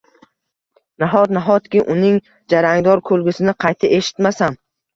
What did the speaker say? Nahot, nahotki, uning jarangdor kulgisini qayta eshitmasam?